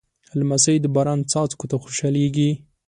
لمسی د باران څاڅکو ته خوشحالېږي.